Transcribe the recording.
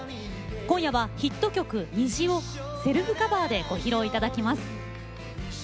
今夜はヒット曲「虹」をセルフカバーでご披露いただきます。